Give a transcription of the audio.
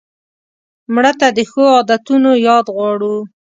مړه ته د ښو عادتونو یاد غواړو